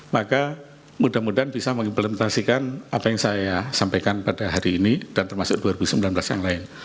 maka mudah mudahan bisa mengimplementasikan apa yang saya sampaikan pada hari ini dan termasuk dua ribu sembilan belas yang lain